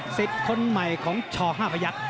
สิทธิ์คนใหม่ของชห้าพยักษ์